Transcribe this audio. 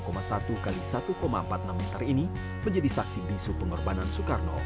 satu x satu empat puluh enam meter ini menjadi saksi bisu pengorbanan soekarno